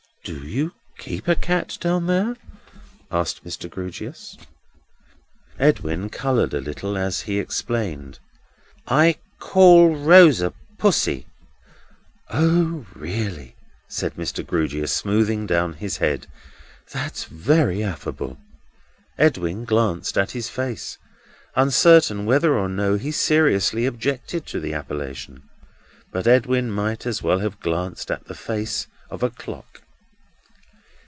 "Do you keep a cat down there?" asked Mr. Grewgious. Edwin coloured a little as he explained: "I call Rosa Pussy." "O, really," said Mr. Grewgious, smoothing down his head; "that's very affable." Edwin glanced at his face, uncertain whether or no he seriously objected to the appellation. But Edwin might as well have glanced at the face of a clock.